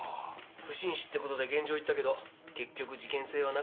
不審死って事で現場行ったけど結局事件性はなかったんだ。